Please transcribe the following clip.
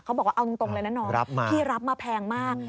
บอกว่าเอาตรงเลยนะน้องพี่รับมาแพงมาก